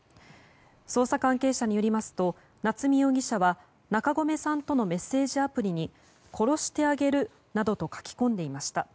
捜査関係者によりますと夏見容疑者は中込さんとのメッセージアプリに殺してあげるなどと書き込んでいました。